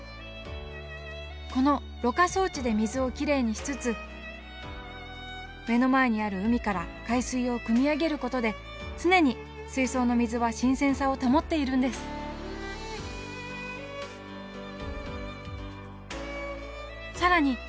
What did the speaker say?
このろ過装置で水をきれいにしつつ目の前にある海から海水をくみ上げることで常に水槽の水は新鮮さを保っているんです更に